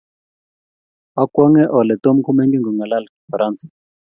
Akwong'e ole Tom komengen kong'alal Kifaransa.